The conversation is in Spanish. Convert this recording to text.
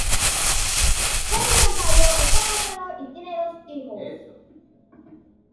Jorge Sampaio está casado y tiene dos hijos.